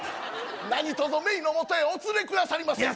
なにとぞメイのもとへお連れくださりませ